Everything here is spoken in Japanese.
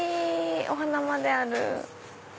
お花まである。